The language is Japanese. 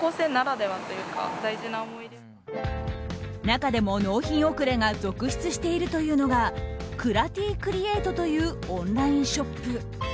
中でも納品遅れが続出しているのがクラＴクリエイトというオンラインショップ。